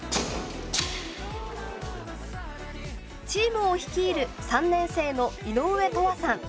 チームを率いる３年生の井上永遠さん。